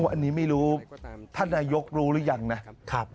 อันนี้ไม่รู้ท่านนายกรู้หรือยังนะ